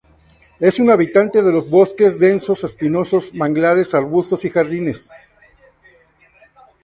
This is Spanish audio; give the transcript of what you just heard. Es un habitante de los bosques densos espinosos, manglares, arbustos y jardines.